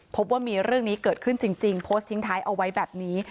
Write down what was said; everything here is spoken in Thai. พบว่ามีเรื่องนี้เกิดขึ้นจริงโพสต์ทิ้งท้ายเอาไว้แบบนี้